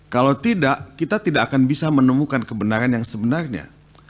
kalau tidak kita tidak akan bisa menemukan kebenaran yang sebenarnya